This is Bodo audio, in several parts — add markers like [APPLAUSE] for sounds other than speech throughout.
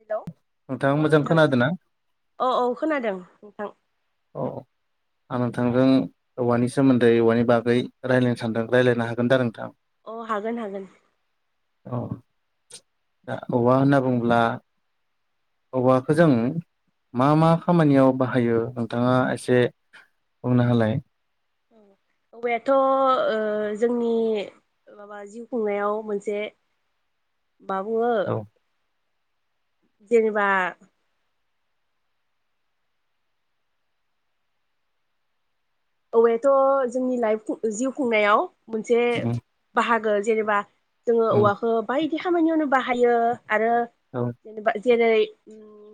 हेलौ नोंथाङा अ मोजां नोंथां खोनादों ना? अ औ खोनादों नोंथां। औ आं नोंथांजों औवानि सोमोन्दै औवानि बागै रायल्लायनो सानदों रायलायनो हागोन दा नोंथां? अ हागोन हागोन। औ दा औवा होनना बुंब्ला औवाखौ जों मा मा खामानियाव बाहायो? औ नोंथाङा एसे बुंना होलाय। औवायाथ' ओ जोंनि माबा जिउ खुंनायाव मोनसे माबुंयो औ जेनेबा औवायाथ' जोंनि लाइफ जिउ खुंनायाव मोनसे उम बाहा गो जेनेबा जोङो उम औवाखौ बाय दि खामानियावनो बाहायो। आरो औ जेनेबा जेरै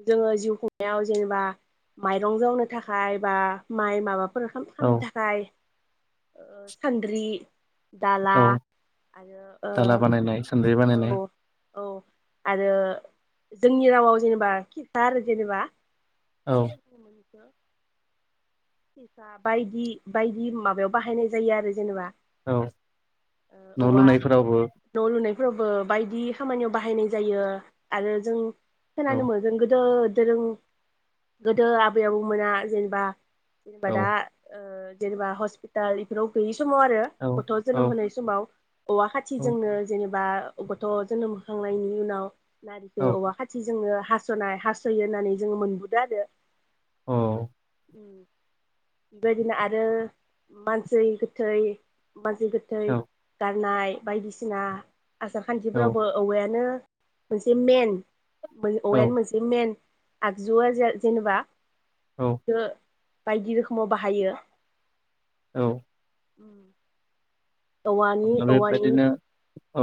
जोङो जिउ खुंनायाव जेनेबा माइरं जावनो थाखाय बा माइ माबाफोर औ खामनि थाखाय ओ सानद्रि दाला औ आरो दाला बानायनाय सान्द्रि बानायनाय ओ औ औ आरो दोंनि रावआव जेनेबा खिरखा आरो जेनेबा [INAUDIBLE] औ बो खिरखा बायदि बायदि माबायाव बाहायनाय जायो आरो जेनेबा औ न' लुनायफोरावबो फोरावबो बायदि खामानियाव बाहायनाय जायो आरो जों औ खोनानो मोनदों गोदोद दोरों गोदो आबै आबौमोना जेनेबा औ बादा ओ जेनेबा हस्पिटाल इफोराव गै समाव आरो औ गथ' औ जोनोम होनाय समाव औवा औ खाथिजोंनो जेनेब बा गथ' जोनोम होखांनायनि उनाव नारिखौ औ औवा खाथि जोंनो हास'नाय हास'यो होननानै जोङो मोनबुदों आरो। औ। उम। बेबायदिनो आरो मानसै गोथै मानसै गोथै औ गारनाय बायदिसिना आसार औ खान्थिफ्रावबो औवायानो मोनसे मेन। बै औवायानो मोनसे मेन। आगजुआ जे-जेनेबा औ जो। बायदि रोखोमाव बाहायो। औ। उम। अब्ला बेबायदिनो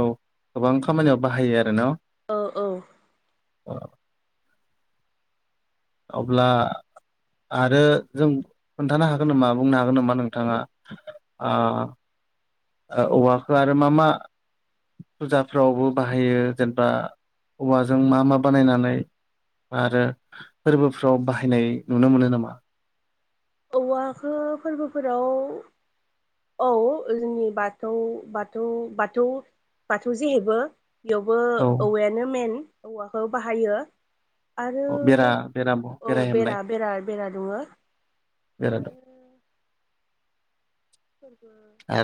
औ। गोबां खामानियाव बाहायो आरो न' ओ औ। [UNINTELLIGIBLE] अब्ला आरो जों खोन्थानो हागोन नामा बुंनो हागोन नामा नोंथांआ आ ओ औवाखो आरो मा मा फुजाफ्रावबो बाहायो जेनेबा औवाजों मा मा बानायनानै आरो फोरबोफ्राव बाहायनाय नुनो मोनो नामा? औवाखो फोरबोफोराव औ जोंनि बाथौ बाथौ बाथौ बाथौ जेहेबो बेयावबो औ औवायानो मेन। औवाखौ बाहायो। आरो औ बेरा बेरा औ हेबनाय बेरा बेरा बेरा दुंओ। बेरा आरो फोरबो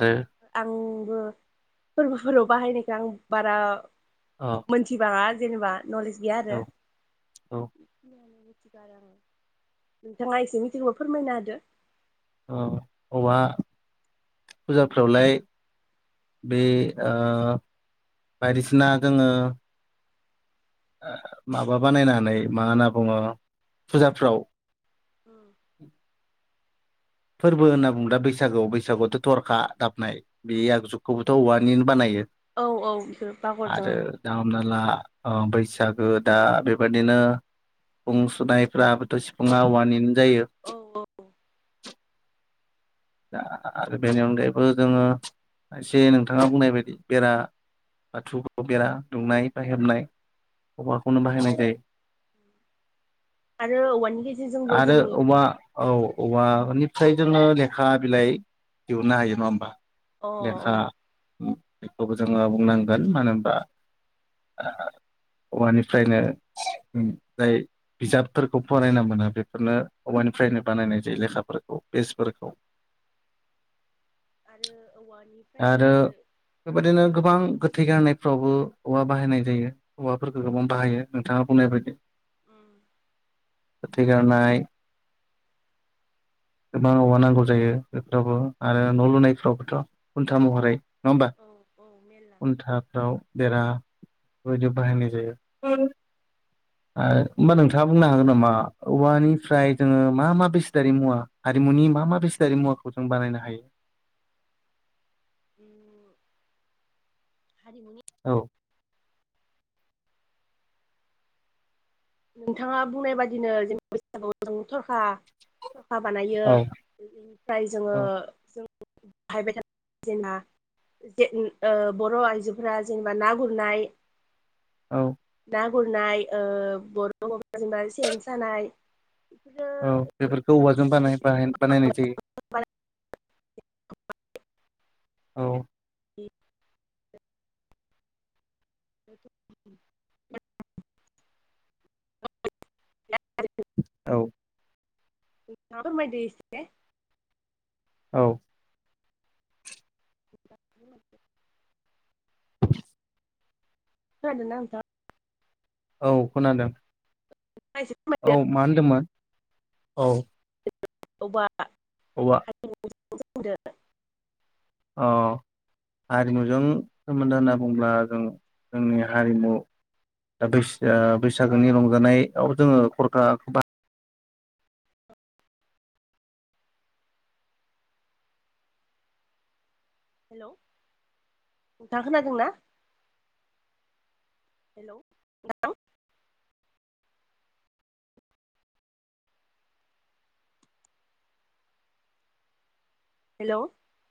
आरो आंबो फोरबोफोराव बाहायनायखौ आं बारा औ मोनथि बांगा जेनेबा न'लेेज गैयाआरो औ औ नोंथाङा एसे मिथिगौ फोरमायना होदो, औवा फुजाफ्रावलाय बे ओ बायदिसिना जोङो, माबा बानायनानै मा होनना बुङो फुजाफ्राव, फोरबो होनना बुंब्ला बैसागोआव बैसागुआवथ' थरखा दामनाय बे आगजुखौबोथ' औवानिनो बानायो, औ औ बेखौ बावगारदों आं आरो दा हमनाला, बैसागो दा बेबायदिनो सिफुं सुनायफ्राबोथ' सिफुुंआ औवानि नो जायो। औ दा आरो बेनि अनगायैबो जोङो एसे नोंथाङा बुंनाय बायदि बेरा बाथौखौ बेरा दुंनाय बा हेबनाय औवाखौनो बाहायनाय जायो। आरो औवानि गेजेरजोंबो आरो जों औवा औ औवा [UNINTELLIGIBLE] जोङो लेख खा बिलाइ दिहुननो हायो नङा होमबा, अ लेखा अ बेखौबो जोङो बुंनांगोन मानो होनबा औवानिफ्रायनो जाय बिजाबफोरखौ फरायना मोना बेफोरनो औवानिफ्रायनो बानायनाय जायो लेखाफोरखौ, पेसफोरखौ आरो औवानिफ्रायबो आरो बेबायदिनो गोबां गो थै गारनायफ्रावबो औवा बाहायनाय जायो, औवाफोरफोरखो गोबां बाहायो नोंथाङा, बुंनाय बायदि, ओम गोथै गारनाय गोबां औवा नांगौ, जायो बेफोरावबो आरो न' लुनायफ्रावबोथ' खुन्था महरै नङा होमबा औ औ मेरला खुन्थाफ्राव बेरा, ओदो बाहायनाय जायो आरो नोंथाङा बुंनो हागोन नामा औवानिफ्राय जोङो मा मा बेस दारि मुवा हारिमुनि मा मा बेस मुवाखौ जों बानायनो हायो। [UNINTELLIGIBLE] हारिमु औ नोंथाङा बुंनाय बादिनो जेनेबा बैसागुआव जों थ'रखा बानायो औ ओमफ्राय जोङो औ जों बाहायबाय थानाय जेनेबा बर' आइजोफोरा जेनेबा ना गुरनाय, औ ना गुरनाय ओ बर' हौवा जेनबा सेन सानाय, बेफोरो औ बेफोरखौ औवाजों बानाय बानायनाय जायो। बारा औ। [INAUDIBLE] [INAUDIBLE] [UNINTELLIGIBLE] औ। नोंथाङा फोरमायदो एसे औ। [UNINTELLIGIBLE] खोनादों ना नोंथां? औ खोनादों। हेलौ औ मा होनदोंमोन? औ। [INAUDIBLE] औवा [INAUDIBLE] औवा [INAUDIBLE] अ हारिमुजों सोमोन्दो होनना बुंङोब्ला जों जोंनि हारिमु दा बैसा-बैसागोनि रंजानायाव जोङो खरखाखौ बा हेलौ नोंथांङा खोनादों ना? हेलौ नोंथां। हेलौ।